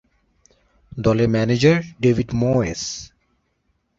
দলের manager David মোয়েস।